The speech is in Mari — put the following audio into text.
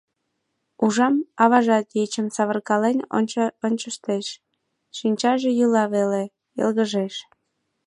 Ужам, аважат ечым савыркален ончыштеш, шинчаже йӱла веле, йылгыжеш.